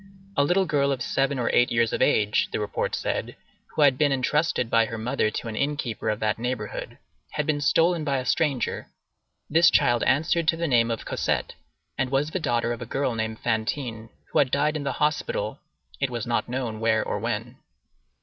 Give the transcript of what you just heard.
A little girl of seven or eight years of age, the report said, who had been intrusted by her mother to an inn keeper of that neighborhood, had been stolen by a stranger; this child answered to the name of Cosette, and was the daughter of a girl named Fantine, who had died in the hospital, it was not known where or when.